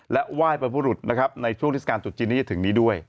และไหว้บรรพบุรุษนะครับในช่วงเทศกาลจุดจีนที่จะถึงนี้ด้วย